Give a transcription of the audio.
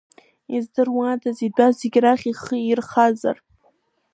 Издыруадаз итәаз зегь рахь ихы ирхазар?